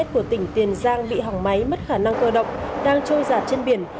của tỉnh tiền giang bị hỏng máy mất khả năng cơ động đang trôi giạt trên biển